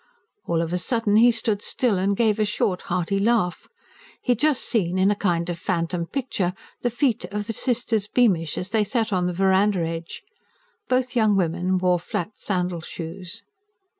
All of a sudden he stood still, and gave a short, hearty laugh. He had just seen, in a kind of phantom picture, the feet of the sisters Beamish as they sat on the verandah edge: both young women wore flat sandal shoes.